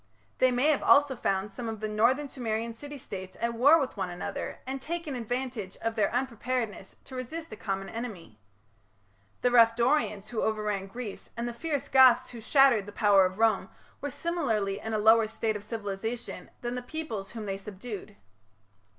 They may have also found some of the northern Sumerian city states at war with one another and taken advantage of their unpreparedness to resist a common enemy. The rough Dorians who overran Greece and the fierce Goths who shattered the power of Rome were similarly in a lower state of civilization than the peoples whom they subdued.